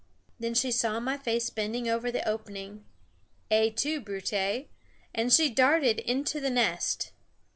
Then she saw my face bending over the opening Et tu Brute! and she darted into the nest.